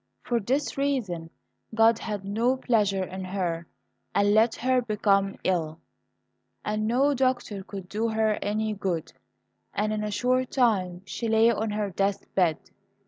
For this reason God had no pleasure in her, and let her become ill, and no doctor could do her any good, and in a short time she lay on her death bed.